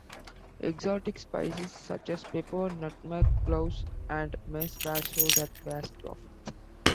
Exotic spices such as pepper, nutmeg, cloves, and mace were sold at vast profits.